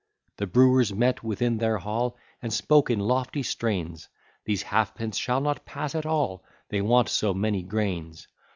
The brewers met within their hall, And spoke in lofty strains, These halfpence shall not pass at all, They want so many grains.